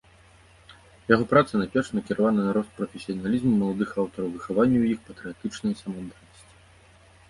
Яго праца найперш накіравана на рост прафесіяналізму маладых аўтараў, выхаванне ў іх патрыятычнай самаадданасці.